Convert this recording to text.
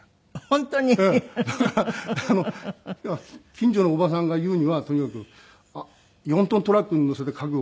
近所のおばさんが言うにはとにかく４トントラックに載せて家具を。